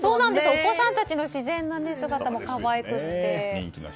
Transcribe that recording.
お子さんたちの自然な姿も可愛くて。